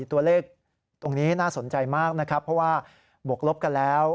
ตัวเลขตรงนี้น่าสนใจมากนะครับเพราะว่าบวกลบกันแล้ว